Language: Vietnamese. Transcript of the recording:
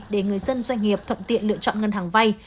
để người dân doanh nghiệp thuận tiện lựa chọn ngân hàng vay